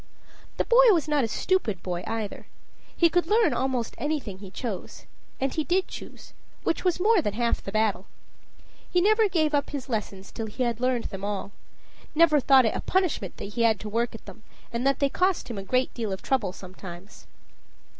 The boy was not a stupid boy either. He could learn almost anything he chose and he did choose, which was more than half the battle. He never gave up his lessons till he had learned them all never thought it a punishment that he had to work at them, and that they cost him a deal of trouble sometimes.